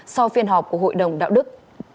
sau phiên họp của hội đồng đạo đức